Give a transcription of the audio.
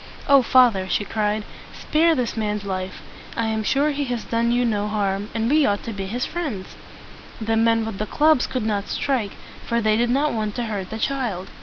"O father!" she cried, "spare this man's life. I am sure he has done you no harm, and we ought to be his friends." The men with the clubs could not strike, for they did not want to hurt the child.